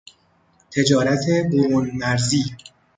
تجارت برونمرزی